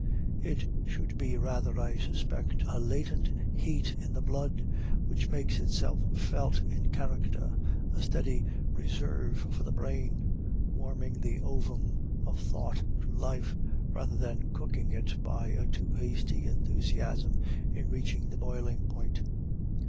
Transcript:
It should be rather, I suspect, a latent heat in the blood, which makes itself felt in character, a steady reserve for the brain, warming the ovum of thought to life, rather than cooking it by a too hasty enthusiasm in reaching the boiling point.